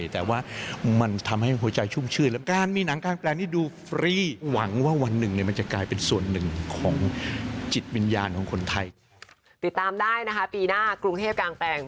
ติดตามได้นะคะปีหน้ากรุงเทพกางแปลง